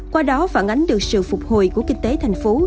qua đó phản ánh được sự phục hồi của kinh tế tp